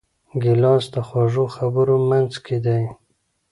ګیلاس د خوږو خبرو منځکۍ دی.